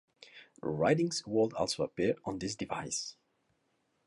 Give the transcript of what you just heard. Writings would also appear on this device.